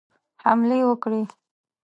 حملې وکړي.